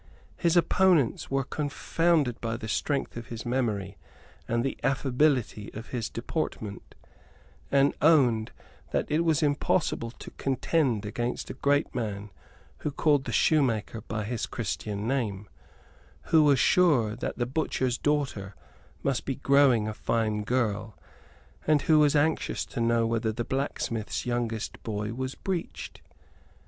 His opponents were confounded by the strength of his memory and the affability of his deportment, and owned, that it was impossible to contend against a great man who called the shoemaker by his Christian name, who was sure that the butcher's daughter must be growing a fine girl, and who was anxious to know whether the blacksmith's youngest boy was breeched.